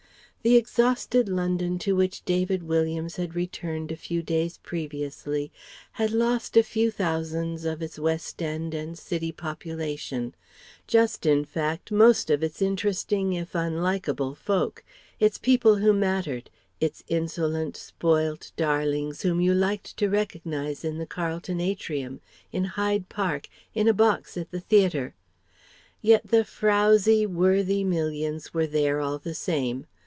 The exhausted London to which David Williams had returned a few days previously had lost a few thousands of its West end and City population just, in fact, most of its interesting if unlikable folk, its people who mattered, its insolent spoilt darlings whom you liked to recognize in the Carlton atrium, in Hyde Park, in a box at the theatre: yet the frowsy, worthy millions were there all the same.